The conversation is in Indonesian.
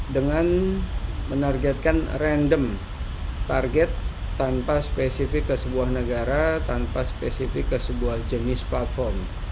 dengan menargetkan random target tanpa spesifik ke sebuah negara tanpa spesifik ke sebuah jenis platform